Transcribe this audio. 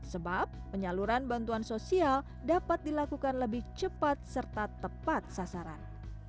sebab penyaluran bantuan sosial dapat dilakukan lebih cepat serta tepat sasaran